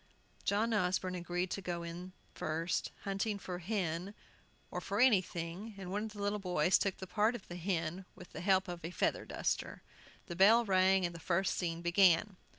John Osborne agreed to go in the first, hunting the "hin," or anything, and one of the little boys took the part of the hen, with the help of a feather duster. The bell rang, and the first scene began.